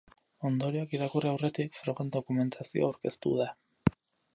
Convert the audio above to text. Ondorioak irakurri aurretik, frogen dokumentazioa aurkeztu da.